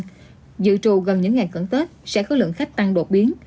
dự trù gần những ngày cận tết sẽ có lượng khách tăng đột biến